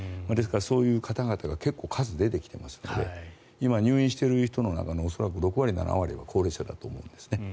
ですから、そういう方々が結構、数が出てきていますので今、入院している方々の６割、７割は高齢者だと思います。